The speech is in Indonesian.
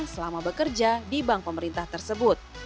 selama bekerja di bank pemerintah tersebut